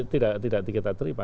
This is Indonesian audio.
tidak tidak dikita terima